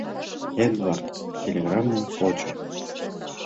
Эдвард телеграммым почо.